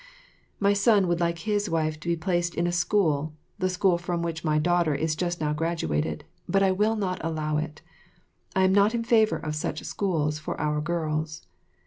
My son would like his wife to be placed in a school, the school from which my daughter has just now graduated; but I will not allow it. I am not in favour of such schools for our girls.